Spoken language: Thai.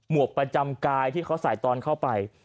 วกประจำกายที่เขาใส่ตอนเข้าไป